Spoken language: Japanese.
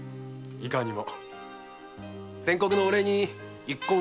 いかにも。